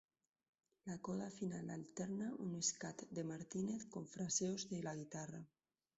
La coda final alterna un scat de Martínez con fraseos de la guitarra.